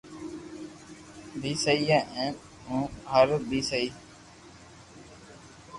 بي سھي ھي ھين مون ھارين بي سھي